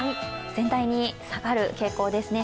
全体に下がる傾向ですね。